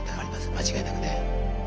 間違いなくね。